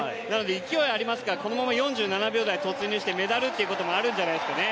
勢いありますから、このまま４７秒台突入してメダルっていうこともあるんじゃないですかね。